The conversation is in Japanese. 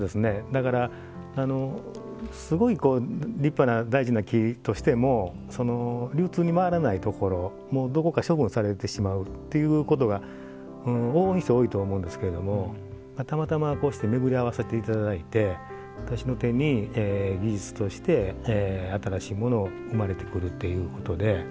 だからすごい立派な大事な木としても流通に回らないところどこか処分されてしまうっていうことが往々にして多いと思うんですけれどもたまたまこうして巡り合わせていただいて私の手に技術として新しいものを生まれてくるっていうことで。